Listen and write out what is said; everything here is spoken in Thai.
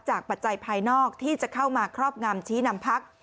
ปัจจัยภายนอกที่จะเข้ามาครอบงำชี้นำพัก